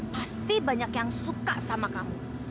pasti banyak yang suka sama kamu